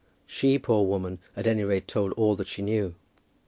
She, poor woman, at any rate told all that she knew.